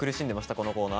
このコーナー。